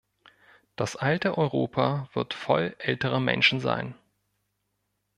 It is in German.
Das alte Europa wird voll älterer Menschen sein.